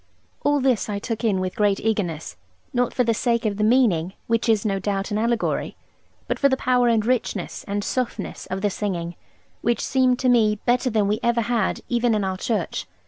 All this I took in with great eagerness, not for the sake of the meaning (which is no doubt an allegory), but for the power and richness, and softness of the singing, which seemed to me better than we ever had even in Oare church.